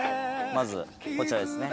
まずこちらですね